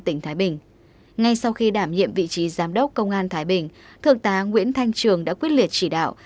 tỉnh thái bình ngay sau khi đảm nhiệm vị trí giám đốc công an thái bình thượng tá nguyễn thanh trường đã quyết liệt chỉ đạo